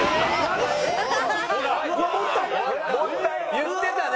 言ってたね！